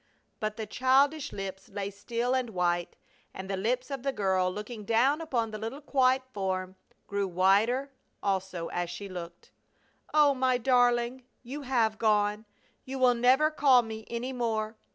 But the childish lips lay still and white, and the lips of the girl looking down upon the little quiet form grew whiter also as she looked. "Oh, my darling! You have gone! You will never call me any more!